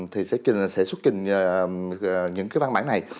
thì sẽ xuất trình những cái văn bản này